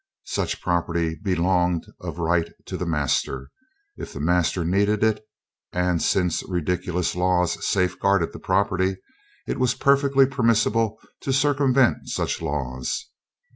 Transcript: Such property belonged of right to the master, if the master needed it; and since ridiculous laws safeguarded the property, it was perfectly permissible to circumvent such laws.